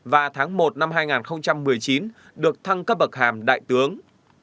và tháng một năm hai nghìn một mươi chín được thăng cấp bậc hàm đại tướng